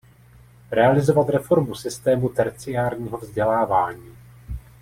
Realizovat reformu systému terciárního vzdělávání.